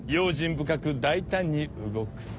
深く大胆に動く。